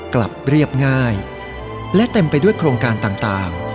เรียบง่ายและเต็มไปด้วยโครงการต่าง